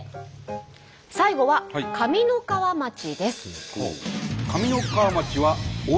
最後は上三川町です。